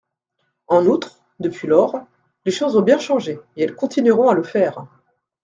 En outre, depuis lors, les choses ont bien changé, et elles continueront à le faire.